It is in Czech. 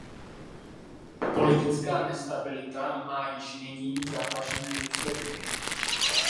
Politická nestabilita má již nyní závažné důsledky.